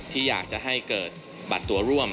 ที่อยากจะให้เกิดบัตรตัวร่วม